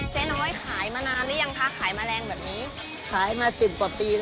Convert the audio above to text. เจ๊น้อยขายมานานหรือยังคะขายแมลงแบบนี้